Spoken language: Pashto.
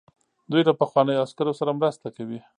دوی له پخوانیو عسکرو سره مرسته کوي.